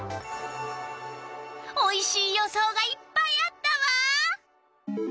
おいしい予想がいっぱいあったわ！